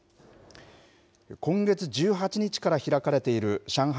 今月１８日から開かれている上海